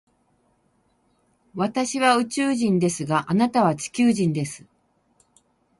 私は宇宙人ですが、あなたは地球人です。